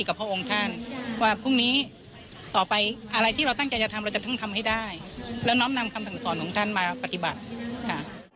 บอกว่าจะตั้งใจทำให้สำเร็จ